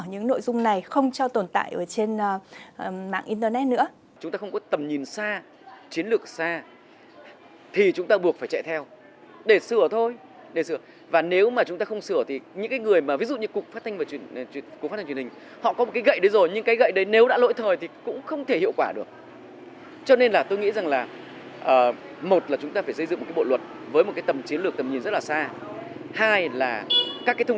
những nội dung này không cho tồn tại trên mạng internet nữa